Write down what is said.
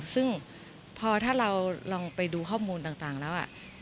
ซึ่งพอถ้าเราลองไปดูข้อมูลต่างแล้ว